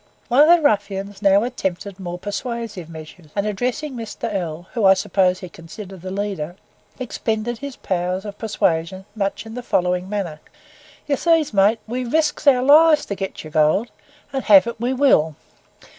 One of the ruffians now attempted more persuasive measures, and addressing Mr. L , whom I suppose he considered the leader, expended his powers of persuasion much in the following manner. "You sees, mate, we risks our lives to get your gold, and have it we will.